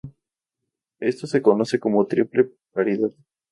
Esto se conoce como "triple paridad".